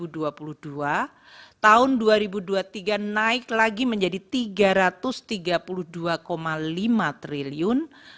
tahun dua ribu dua puluh dua tahun dua ribu dua puluh tiga naik lagi menjadi rp tiga ratus tiga puluh dua lima triliun